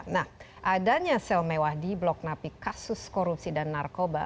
nah adanya sel mewah di blok napi kasus korupsi dan narkoba